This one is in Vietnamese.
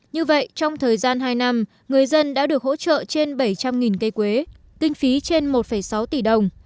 như vậy trong thời gian hai năm người dân đã được hỗ trợ trên bảy trăm linh cây quế kinh phí trên một sáu tỷ đồng